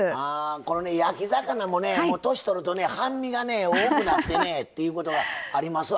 この焼き魚も年とるとね半身が多くなってねっていうことがありますわね。